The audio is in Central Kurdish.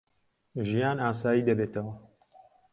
ژیان ئاسایی دەبێتەوە.